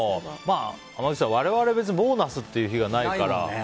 濱口さん、我々は別にボーナスという日がないから。